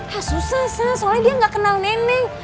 hah susah susah soalnya dia gak kenal neneng